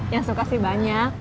yang suka sih banyak